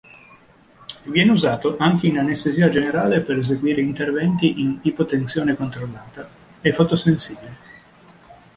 Viene usato anche in anestesia generale per eseguire interventi in ipotensione controllata; è fotosensibile.